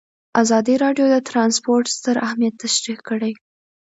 ازادي راډیو د ترانسپورټ ستر اهميت تشریح کړی.